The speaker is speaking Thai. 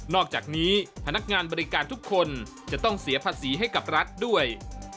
อกจากนี้พนักงานบริการทุกคนจะต้องเสียภาษีให้กับรัฐด้วย